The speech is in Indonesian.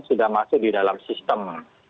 sudah masuk di dalam sistem